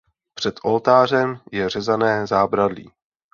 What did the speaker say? Před oltářem je řezané zábradlí.